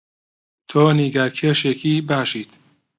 تۆ نیگارکێشێکی باشیت.